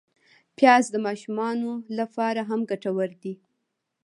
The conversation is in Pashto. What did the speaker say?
پیاز د ماشومانو له پاره هم ګټور دی